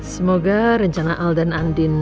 semoga rencana al dan andin